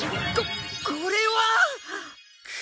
ここれは！？